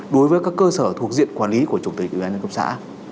đối với các cơ sở thuộc diện quản lý của chủ tịch ủy ban nhân cấp xã